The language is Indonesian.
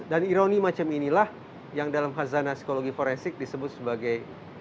dan ironi macam inilah yang dalam khazanah psikologi forensik disebut sebagai